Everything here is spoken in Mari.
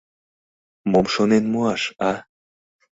Мом шонен муаш, а?»